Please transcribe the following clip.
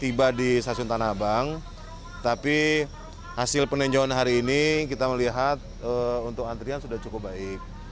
tiba di stasiun tanah abang tapi hasil peninjauan hari ini kita melihat untuk antrian sudah cukup baik